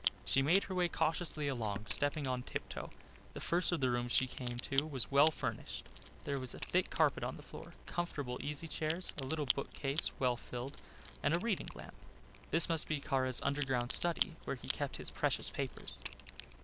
She made her way cautiously along, stepping on tip toe. The first of the rooms she came to was well furnished. There was a thick carpet on the floor, comfortable easy chairs, a little bookcase well filled, and a reading lamp. This must be Kara's underground study, where he kept his precious papers.